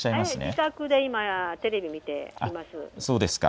今自宅でテレビを見ています。